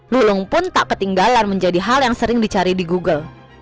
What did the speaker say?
lulung pun tak ketinggalan menjadi hal yang sering dicari di google